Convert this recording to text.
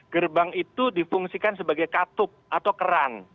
gerbang itu difungsikan sebagai katup atau keran